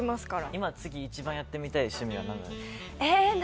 今、次一番やってみたい趣味は何ですか？